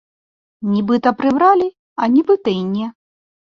Нібыта прыбралі, а нібыта і не.